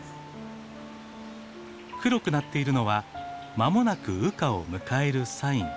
黒くなっているのは間もなく羽化を迎えるサイン。